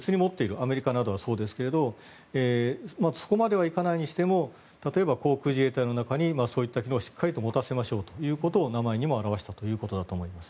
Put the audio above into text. アメリカなどはそうですがそこまではいかないにしても例えば航空自衛隊の中にそういった機能をしっかりと持たせましょうということを名前にも表したということだと思います。